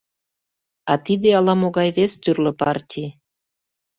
А тиде ала-могай вес тӱрлӧ партий.